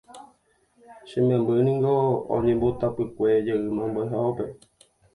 che memby ningo oñembotapykue jeýma mbo'ehaópe.